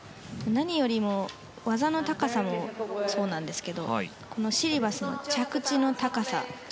何よりも技の高さもそうなんですけどシリバスの着地の高さ。